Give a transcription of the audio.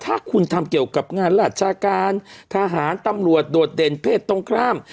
ถ้าคุณทำเกี่ยวกับงานราชการทหารตำรวจโดดเด่นเพศตรงข้าม